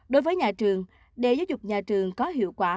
đối với nhà trường để giáo dục nhà trường có hiệu quả